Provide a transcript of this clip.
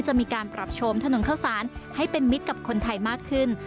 จะมีการปรับโชมถนนข้าวสารให้เป็นมิตรกับคนไทยมากขึ้น